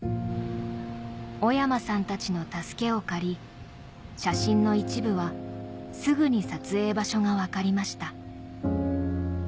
小山さんたちの助けを借り写真の一部はすぐに撮影場所が分かりました